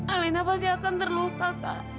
alena pasti akan terluka